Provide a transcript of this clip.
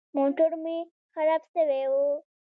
موټر مې خراب سوى و.